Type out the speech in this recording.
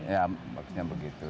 ya maksudnya begitu